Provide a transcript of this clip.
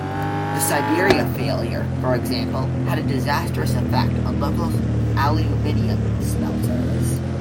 The Siberia failure, for example, had a disastrous effect on local aluminium smelters.